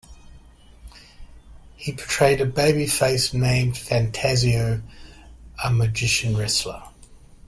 He portrayed a babyface named "Phantasio", a magician wrestler.